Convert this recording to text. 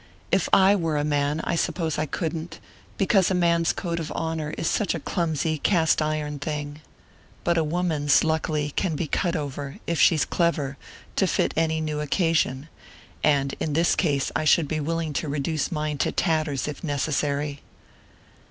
If I were a man I suppose I couldn't, because a man's code of honour is such a clumsy cast iron thing. But a woman's, luckily, can be cut over if she's clever to fit any new occasion; and in this case I should be willing to reduce mine to tatters if necessary."